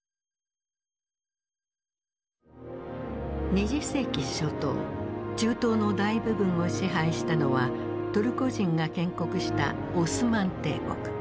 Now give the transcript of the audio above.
２０世紀初頭中東の大部分を支配したのはトルコ人が建国したオスマン帝国。